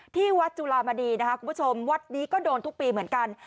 ที่วัดจุลามณีนะคะคุณผู้ชมวัดนี้ก็โดนทุกปีเหมือนกัน